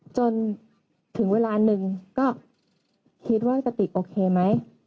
จนถึงเวลาหนึ่งก็คิดว่ากติกโอเคไหม